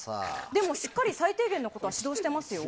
でも、しっかり最低限のことは指導してますよ。